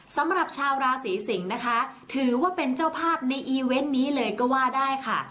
สำหรับชาวราศีสิงศ์นะคะถือว่าเป็นเจ้าภาพในอีเวนต์นี้เลยก็ว่าได้ค่ะ